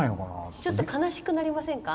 ちょっと悲しくなりませんか？